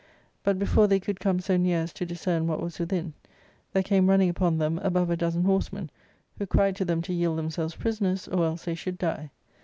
But, before they could come St) near as to discern what was within, there came running upon them above a dozen horsemen, who cried to them to yield themselves prisoners, or else they should die.